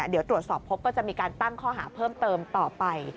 เดี๋ยวตรวจสอบพบก็จะมีการตั้งข้อหาเพิ่มเติมต่อไป